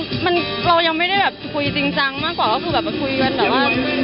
ก็เหมือนเรายังไม่ได้คุยจริงจังมากกว่าคุยแบบว่า